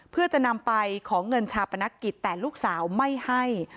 เพื่อจะนำไปขอเงินชาปนกิจแต่ลูกสาวไม่ให้